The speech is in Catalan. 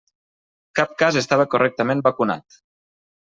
Cap cas estava correctament vacunat.